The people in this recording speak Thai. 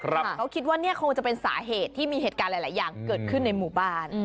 เขาคิดว่าเนี่ยคงจะเป็นสาเหตุที่มีเหตุการณ์หลายอย่างเกิดขึ้นในหมู่บ้าน